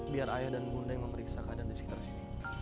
biar ayah dan bunda yang memeriksa keadaan di sekitar sini